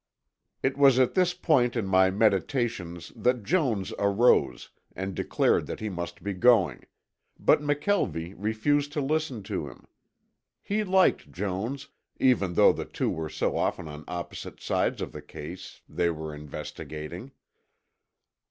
It was at this point in my meditations that Jones arose and declared that he must be going, but McKelvie refused to listen to him. He liked Jones, even though the two were so often on opposite sides of the case they were investigating.